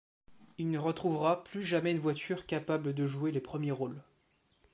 Il ne retrouvera plus jamais une voiture capable de jouer les premiers rôles.